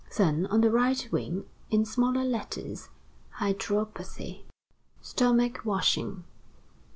Then, on the right wing, in smaller letters: "Hydropathy. Stomach washing.